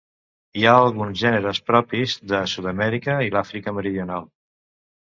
Hi ha alguns gèneres propis de Sud-amèrica i Àfrica meridional.